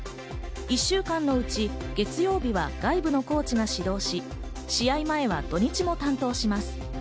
１週間のうち、月曜日は外部のコーチが指導し、試合前は土日も担当します。